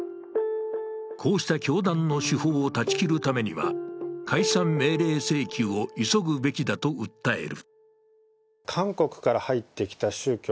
こうした教団の手法を断ち切るためには、解散命令請求を急ぐべきだと訴える。